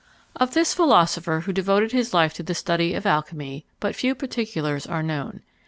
Of this philosopher, who devoted his life to the study of alchymy, but few particulars are known.